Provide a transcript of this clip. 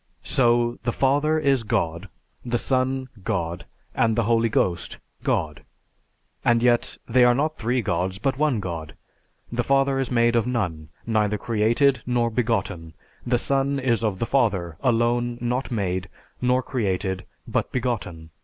So, the Father is God, the Son God, and the Holy Ghost God, and yet they are not three Gods, but One God.... The Father is made of none, neither created nor begotten. The Son is of the Father alone, not made, nor created, but begotten.